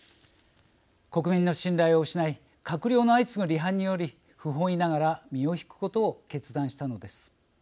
国民の信頼を失い閣僚の相次ぐ離反により不本意ながら身を引くことを決断したのです。